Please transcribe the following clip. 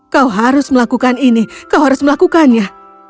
kau harus melakukan ini kau harus melakukannya